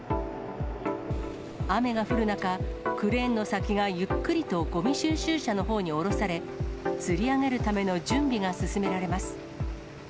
雨が降る中、クレーンの先がゆっくりとごみ収集車のほうに下ろされ、つり上げるための準備が進められます。